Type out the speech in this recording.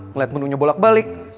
ngeliat menu nya bolak balik